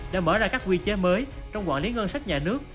đã mở ra các quy chế mới trong quản lý ngân sách nhà nước